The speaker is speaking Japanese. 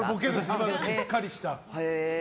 今の、しっかりした。